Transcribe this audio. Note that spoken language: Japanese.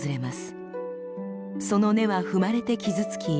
その根は踏まれて傷つき